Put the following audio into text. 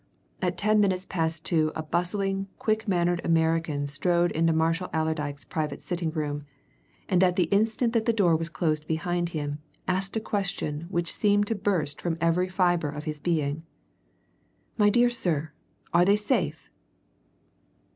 At ten minutes past two a bustling, quick mannered American strode into Marshall Allerdyke's private sitting room, and at the instant that the door was closed behind him asked a question which seemed to burst from every fibre of his being "My dear sir! Are they safe?"